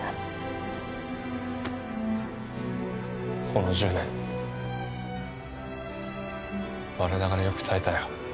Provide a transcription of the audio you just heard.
この１０年我ながらよく耐えたよ。